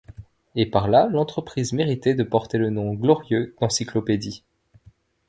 Et par là l'entreprise méritait de porter le nom glorieux d'encyclopédie.